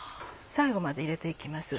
最後まで入れて行きます